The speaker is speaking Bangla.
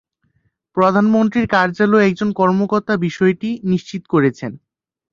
প্রধানমন্ত্রীর কার্যালয়ের একজন কর্মকর্তা বিষয়টি নিশ্চিত করেছেন।